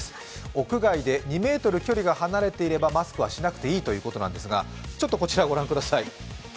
屋外で２ｍ距離が離れていればマスクはしなくていいということですが、ちょっとこちらを御覧ください。